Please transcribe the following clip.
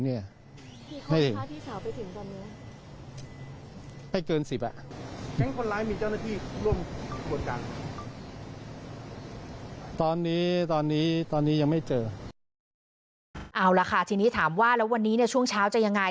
เอาล่ะค่ะทีนี้ถามว่าแล้ววันนี้เนี่ยช่วงเช้าจะยังไง